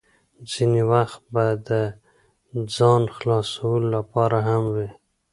ځینې وخت به د ځان خلاصولو لپاره هم وې.